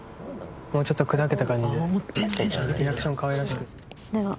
もうちょっと砕けた感じで。